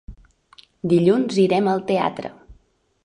Dilluns irem al teatre.